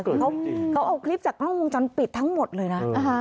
เขาเอาคลิปจากห้องจนปิดทั้งหมดเลยนะ